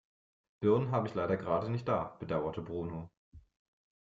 Birnen habe ich leider gerade nicht da, bedauerte Bruno.